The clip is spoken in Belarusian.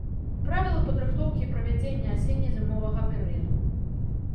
Правілы падрыхтоўкі і правядзення асенне-зімовага перыяду.